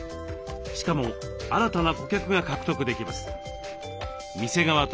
しかも新たな顧客が獲得できます。